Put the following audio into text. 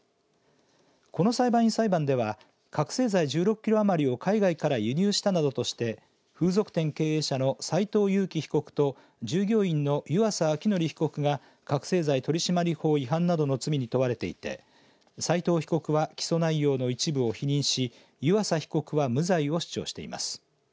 この裁判員裁判では覚醒剤１６キロ余りを海外から輸入したなどとして風俗店経営者の斎藤悠生被告と従業員の湯浅諒宣被告が覚醒剤取締法違反などの罪に問われていて斎藤被告は起訴内容の一部を否認し湯浅被告は無罪を主張しています。